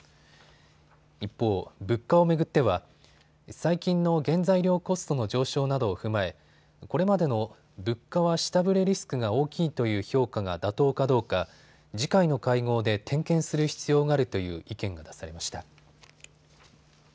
一方、物価を巡っては最近の原材料コストの上昇などを踏まえこれまでの物価は下振れリスクが大きいという評価が妥当かどうか次回の会合で点検する必要があるという意見が出されました。